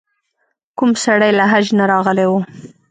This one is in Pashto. کوم سړی له حج نه راغلی و.